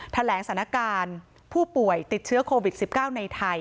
แถลงสถานการณ์ผู้ป่วยติดเชื้อโควิด๑๙ในไทย